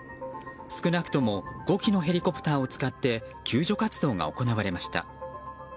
少なくとも５機のヘリコプターを使って救助活動が行われました。